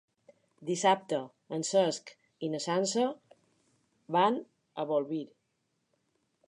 Dissabte en Cesc i na Sança van a Bolvir.